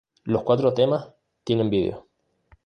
Los cuatro temas tienen video.